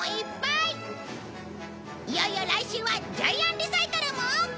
いよいよ来週はジャイアンリサイタルも！